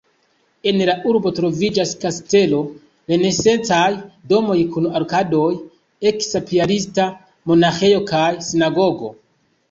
En la urbo troviĝas kastelo, renesancaj domoj kun arkadoj, eksa piarista monaĥejo kaj sinagogo.